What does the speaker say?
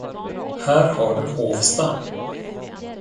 Här har du Hovsta.